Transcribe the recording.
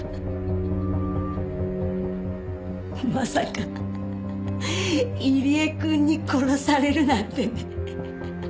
まさか入江くんに殺されるなんてね。